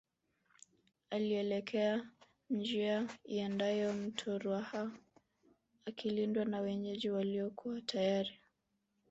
Alielekea njia iendayo mto Ruaha akilindwa na wenyeji waliokuwa tayari